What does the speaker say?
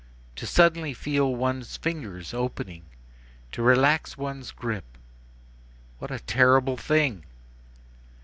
to suddenly feel one's fingers opening! to relax one's grip,—what a terrible thing!